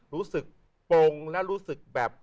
รู้สึกปงและรู้สึกแบบ